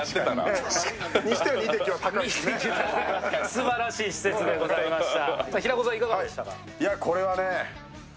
すばらしい施設でございました。